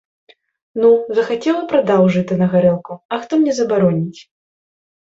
Ну, захацеў і прадаў жыта на гарэлку, а хто мне забароніць?